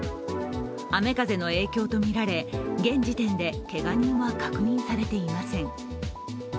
雨風の影響とみられ、現時点でけが人は確認されていません。